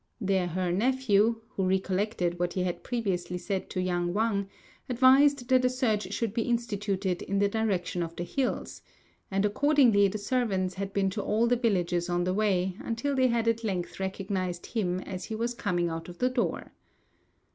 There her nephew, who recollected what he had previously said to young Wang, advised that a search should be instituted in the direction of the hills; and accordingly the servants had been to all the villages on the way until they had at length recognised him as he was coming out of the door.